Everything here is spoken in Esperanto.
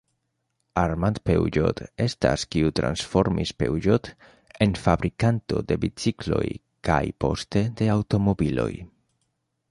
Armand Peugeot estas kiu transformis Peugeot en fabrikanto de bicikloj kaj, poste, de aŭtomobiloj.